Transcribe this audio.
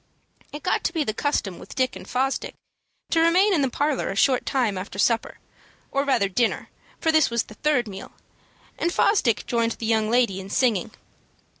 It got to be the custom with Dick and Fosdick to remain in the parlor a short time after supper, or rather dinner, for this was the third meal, and Fosdick joined the young lady in singing.